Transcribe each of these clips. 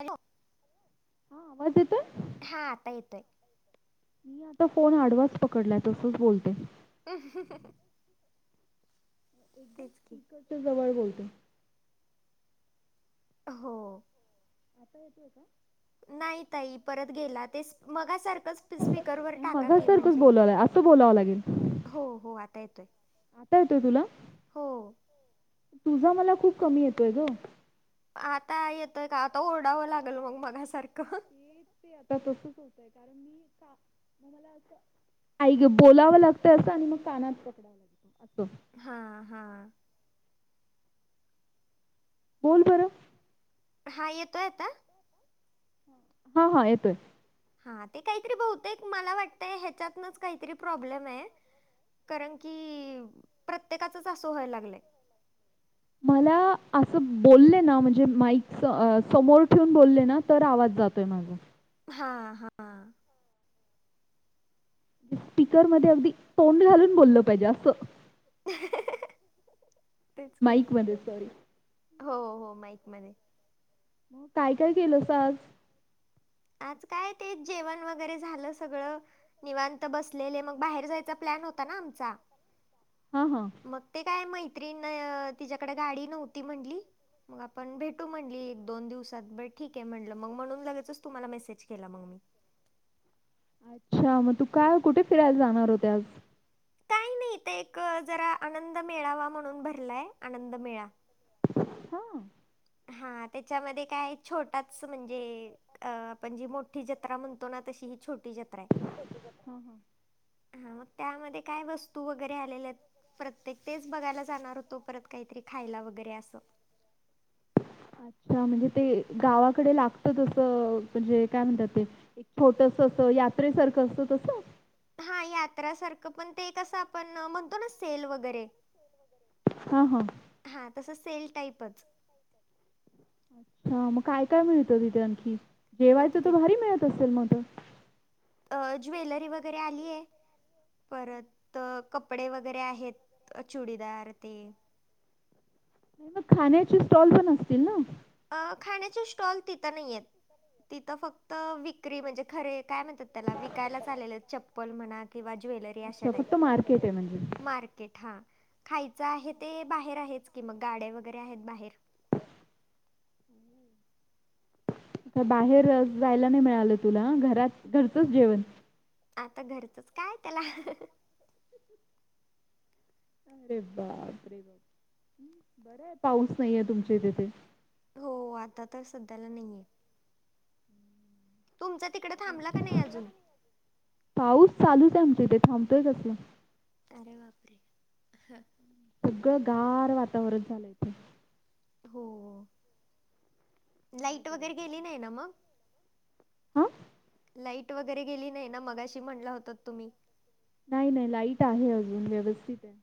Hello. हा आवाज येतोय? हा आता येतोय. मी आता फोन आडवाच पकडलाय तसंच बोलते. अंह हह. एकदम तेच की. स्पीकरच्या जवळ बोलते. हो. आता येतोय का? नाई ताई परत गेला. तेस मगासारखंच स्पीकरवर टाका की म्हणजे बोलालाय आता बोला वा लागेल. हो हो आता येतोय. आता येतोय तुला? हो. तुझा मला खूप कमी येतोय गं. आता येतोय का? आता ओरडावं लागल मग मगासारखं- तेच ते आता तसच होतय. कारण मी का म मला अस हाय गं बोलावं लागतंय असं. आणि मग कानात पकडावं लागतो असं. हा हा बोल बरं हा येतोय आता? हा हा येतोय. हा ते काहीतरी बहुते मला वाटतंय, ह्याच्यातनच काहीतरी प्रॉब्लेम आहे. कारण की प्रत्येकाचच असं व्हायला लागलंय. मला असं बोले ना म्हणजे, माईक समोर ठेवून बोले न तर आवाज जा तोय माझा हा हा स्पीकर मध्ये अगदी तोंड घालून बोललं पाहिजे असं. तेच की माईकमध्ये सॉरी. हो हो माईक मध्ये. मग काय काय केलं सा आज आज काय ते जेवण वगैरे झालं सगळं. निवांत बसलेले मग बाहेर जायचा प्लॅन होता ना आमचा. हा हा मग ते काय मैत्रीण तिच्याकडे गाडी नव्हती म्हणली. मग आपण भेटू म्हणली एक दोन दिवसात बर ठीक आहे म्हणटलं मग म्हणून लगेचच तुम्हाला मेसेज केला मग मी. अच्छा मग तू काय कुठे फिरायला जाणार होते आज? काही नाही ते एक जरा आनंद मेळावा म्हणून भरलाय, आनंद मेळा. हा हा त्याच्यामध्ये काय छोटाच म्हणजे अ आपण जी मोठी जत्रा म्हणतो ना तशी ही छोटी जत्रा आहे. हा हा हा मग त्यामध्ये काय वस्तू वगैरे आलेल्या आहेत. प्रत्येक तेच बघायला जाणार होतो परत काहीतरी खायला वगैरे असं. अच्छा म्हणजे ते गावाकडे लागत तसं म्हणजे काय म्हणतात ते एक छोटस अस यात्रेसारखं असतं, तस? हा यात्रासारखं पण ते कसं आपण म्हणतो न सेल वगैरे हा हा हा तसं सेल टाईपच. अच्छा मग काय काय मिळतं तिथे आणखी? आता जेवायचंत ते भारी मिळत असेल म त. ज्वेलरी वगैरे आली आहे. परत कपडे वगैरे आहेत, चुडीदार ते नाही मग खाण्याची स्टॉल पण असतील न अ खाण्याचे स्टॉल तिथं नाहीयेत, तिथं फक्त विक्री म्हणजे खरे काय म्हणतात त्याला विकायलाच आलेल चप्पल म्हणा किंव्हा ज्वेलरी अशा अच्छा फक्त टाईप, मार्केट आहे म्हणजे? मार्केट हा खायचं आहे ते बाहेर आहेच की मग गाड्या वगैरे आहेत बाहेर. तर बाहेर जायला नाही मिळालं तुला घरात घरचंच जेवण. आता घरचच काय त्याला. अरे बापरे बाप! हम्म बरं आहे पाऊस नाहीे आहे तुमच्या तिथे. हो आता तर सध्याला नाहीय. तुमच्या तिकडें थांबला का नाही अजून? पाऊस चालूच आहे आमच्या इथे थांबतोय कसला? अरे बापरे ह. सगळं गार वातावरण झालायचं. हो. लाइट वगैरे गेली नाही ना मग? हां? लाईट वगैरे गेली नाही ना मगाशी म्हटलं होतात तुम्ही, नाही नाही लाईट आहे अजून व्यवस्थित आहे.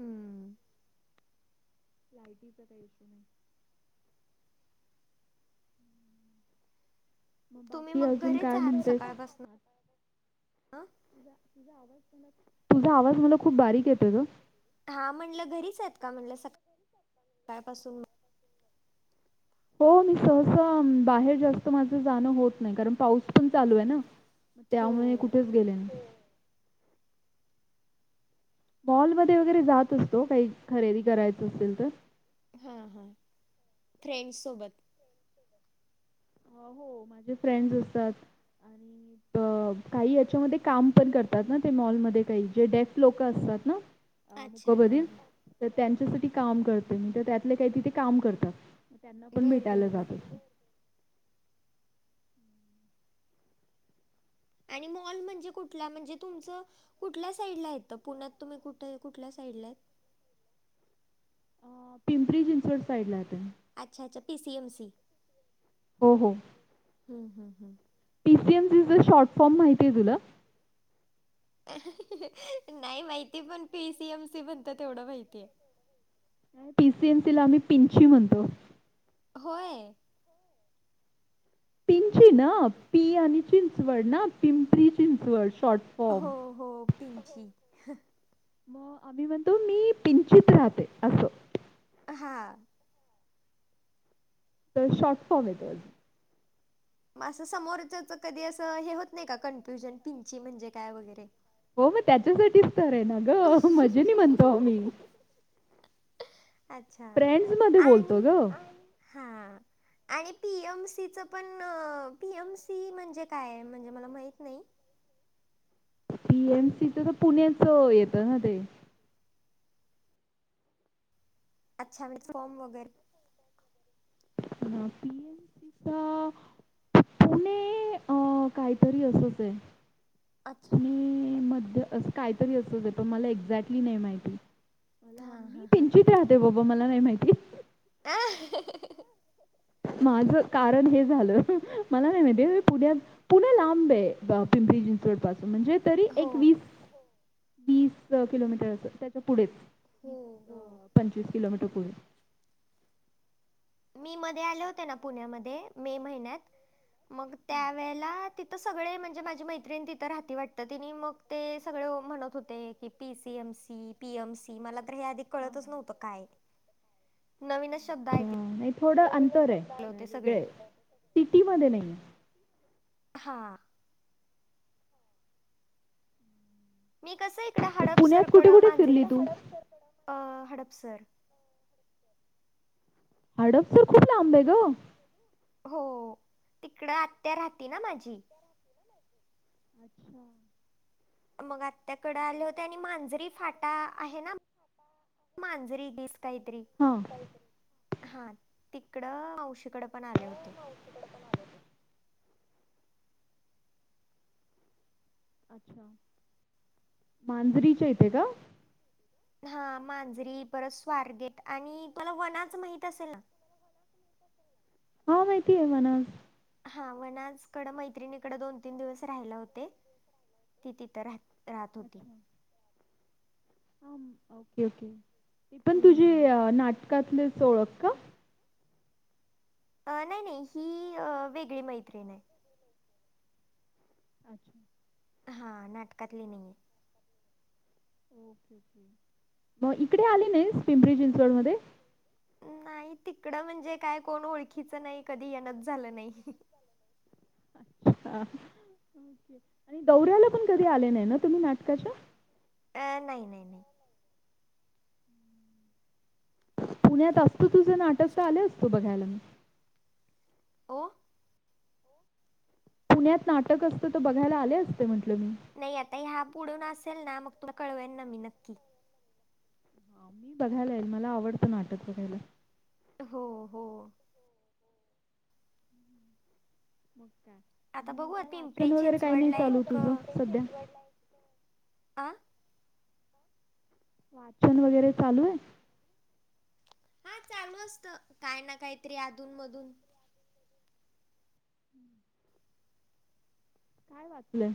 हम्म. लाईटिचा काय इशू नाही. मग तुम्ही बाकी अजून घरीच काय आहात म्हणतेस? सकाळपासून ना? तुझा आवाज तुझा आवाज मला खूप बारीक येतोय ग. हा म्हणलं घरीच आहेत का म्हणलं सका सकाळपासून? हो मी सहसा बाहेर जास्त माझं जाणं होत नाही, कारण पाऊस पण चालू आहे ना हो त्यामुळे कुठेच गेले नाही. मॉलमध्ये वगैरे जात असतो, काही खरेदी करायचं असेल तर. हा.. हा, फ्रेंड्स सोबत. अं. हो, माझे फ्रेंड्स असतात आणि [inaudible] अं.. काही याच्यामध्ये काम पण करतात ना ते मॉलमध्ये काही, जे डेफ लोक असतात ना अं.. अच्छा हा मुकबधीर हा. तर त्यांच्यासाठी काम करते मी, तर त्यातले काही तिथे काम करतात. त्यांना पण बर बर भेटायला बर. जात असते. आणि मॉल म्हणजे कुठला? म्हणजे तुमचं कुठल्या साईडला येतं, पुण्यात तुम्ही कुठंय? कुठल्या साईडला आहेत? अ, पिंपरी चिंचवड साईडला येतंय. अच्छा अच्छा, पी सी एम सी. हो.. हो. हं.. हम.. हम. पी सी एम सीचं शॉर्ट फॉर्म माहिती आहे तुला? नाही माहिती, पण पी सी एम सी म्हणतात तेवढं माहितीय. पी सी एम सीला आम्ही पिंची म्हणतो. होय? पिंचि ना? पी आणि चिंचवड ना, पिंपरी चिंचवड शॉर्ट. फॉर्म हो हो, पिंची. मग आम्ही म्हणतो, मी पिंचित राहते असं. हा. तर शॉर्ट फॉर्म येतो. म असं समोरच्याच कधी, असं हे होत नाही का? कन्फ्युजन, पिंची म्हणजे काय वगैरे? हो मग त्याच्यासाठीच तर आहे ना गं, मजेने म्हणतो आम्ही. अच्छा, फ्रेंड्स मध्ये बोलतो आणि ग हां आणि पी एम सीचं पण, पी एम सी म्हणजे काय? म्हणजे मला माहित नाही. पी एम सीच तर, पुण्याचं येतं ना ते. अच्छा फुलफ्रॉर्म वगैरे हा, पी एम सीचा पुणे ते, अं.. काही तरी असंच आहे. अच्छा पी मध्यं असं काहीतरी असंच आहे, पण मला एक्झॅक्टली नाही माहिती. हां मला, मी हां हां पिंचित राहते बाबा मला नाही माहिती. ऍ... हं.. हं.. ह. माझं कारण हे झालं. मला नाही माहिती, हे पुण्यात पुणं लांब आहे, पिंपरी चिंचवड पासून म्हणजे तरी हो एक वीस-तीस किलोमीटर असं, त्याच्या पुढेच. हो वीस हो अ.. पंचवीस किलोमीटर पुढे. मी मध्ये आले होते ना, पुण्यामध्ये मे महिन्यात. मग हां, त्यावेळेला तिथं सगळे म्हणजे माझी मैत्रिण तिथं राहती वाटतं, तिनी मग ते सगळं म्हणत होते की, पीसीएमसी, पीएमसी मला तर हे आधी हां. कळतचं नव्हतं काय आहे? नवीनच शब्द अच्छा, ऐकले नाही थोडं अंतर आहे. आले अ, होते वेगळं सगळे,..... आहे. सिटीमध्ये नाही हा. मी कसं इकडं आहे. पुण्यात हडपसरकडं, कुठे-कुठे फिरली मांजरी तू? फ-हडपसर हडपसर खूप लांब आहे गं. हो. तिकडं, आत्या राहते नां माझी. अच्छा. मग आत्त्याकडं आले होते आणि मांजरी फाटा आहे ना मांजरी डिस् काहीतरी हां. हा तिकडं अवशीकडे पण आले होते. अच्छा मांजरीच्या यथे का. हा मांजरी परत स्वारगेट आणि तुला वनाच माहित असेल ना. हा माहिती आहे म्हणा. हा मण आजकडं मैत्रिणीकडं दोन तीन दिवस राहिला होते. ती तिथं राह राहत होती. ह ओके ओके ते पण तुझे हम्म नाटकातले ओळख का. अ नाही नाही ही वेगळी मैत्रीण आहे. अच्छा. हां नाटकातले नाही आहे. मग इकडे आली नाही पिंपरी चिंचवड मध्ये. नाही तिकडं म्हणजे काय कोण ओळखीचं नाही कधी येणच झालं नाही. े आणि गौऱ्याला पण कधी आले नाही ना तुम्ही नाटकाच्या. अ नाही नाही नाही. पुण्यात असतं तुझं नाटक तर आलं असतं बघयला म. ओ पुण्यात नाटक असतं तर बघायला आले असते म्हटलं मी. नाही आता हा बुडून असेल ना मग तुला कळवेन ना मी नक्की. मी बघायला येईल मला आवडतं नाटक बघायला. हो हो. मग काय आता आणि मग बघू काय पिंपरी वाचन वगैरे काही नाही चिंचवडला चालू एक तुझ अ, सध्या. आं. वाचन वगैरे लू आहे. हा चालू असत काय ना काहीतरी अधून मधून. काय वाचलंय.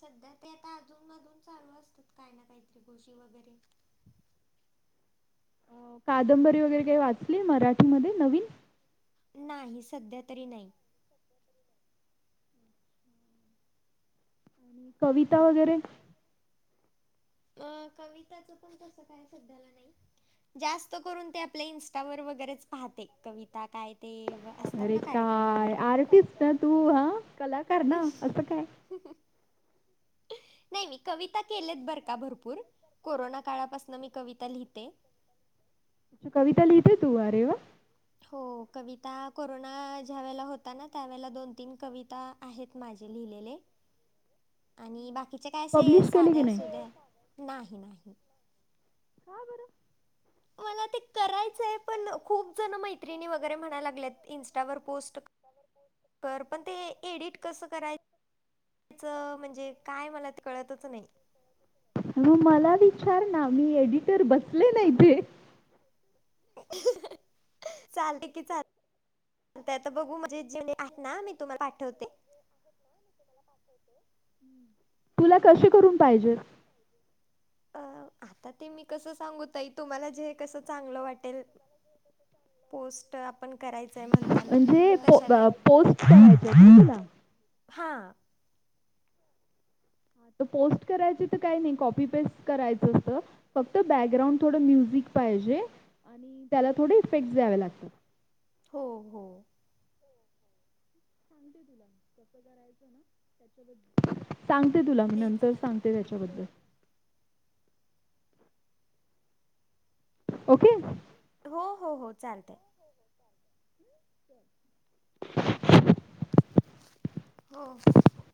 सध्या ते आता अजून मधून चालू असतात काय ना काही त्रि गोशी वगैरे. कादंबरी वगैरे काही वाचली मराठीमध्ये नवीन. नाही सध्या तरी नाही. कविता वगैरे. अ कविताचं पण तसं, काय सध्याला नाही. जास्त करून, ते आपल्या इन्स्टावर वगैरेच पाहते. कविता काय ते, व असतात ना कार्यक्रम वगैरे. तर तू हा कलाकार ना, असं काय. नाही. मी कविता केलेत बरं का भरपूर. कोरोना काळापासून मी कविता लिहिते. कविता लिहिते अरे वा! हो, कविता, कोरोना ज्या वेळेला होता ना. त्यावेळेला दोन - तीन कविता आहेत माझे लिहिलेले. आणि बाकीचे काय असे, पब्लिश केली की साधे नाही सुध्या नाही - नाही. का बरं. मला ते करायचंय पणं खूप जण मैत्रिणी वगैरे, म्हणायला लागल्यात इन्स्टावर पोस्ट कर, पण ते एडिट कसं करायचं. चं म्हणजे, काय मला कळतच नाही. मला विचार ना, मी एडिटर बसले ना इथे. [inaudible] चालतंय की, चालतंय आता बघू, मी तुम्हाला पाठवते. [unintelligible] तुला कसे करून पाहिजे? अ, आता ते, मी कसं सांगू ताई. तुम्हाला जे कसं चांगलं वाटेल. पोस्ट ट आपण करायचंय. मग म्हणजे, पो पोस्ट करायचेत ना तुला. हा! पोस्ट करायची तर काही नाही. कॉपी पेस्ट करायचं असतं! फक्त बॅकग्राउंड थोडं म्युझिक पाहिजे. आणि त्याला थोडे इफेक्ट द्यावे लागतात. हो हो. [unintelligible] कसं, करायच ना त्याच्याबदल सांगते तुला मी तेच नंतर ना सांगते त्याच्याबद्दल- ओके. हो हो हो चालतंय. [unintelligible] हो हो हो.